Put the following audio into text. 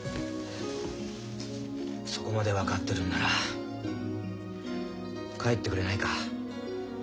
そこまで分かってるんなら帰ってくれないか。